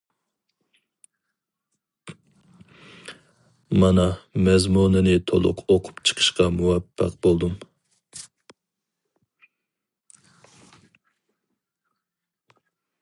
مانا مەزمۇنىنى تولۇق ئوقۇپ چىقىشقا مۇۋەپپەق بولدۇم.